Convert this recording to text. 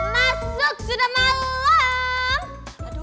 masuk sudah malam